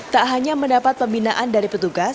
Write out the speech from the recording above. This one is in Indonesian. tak hanya mendapat pembinaan dari petugas